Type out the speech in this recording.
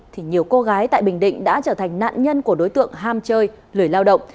thì nhiều cô gái tại bình định đã trở thành nạn nhân của đối tượng ham chơi lười lao động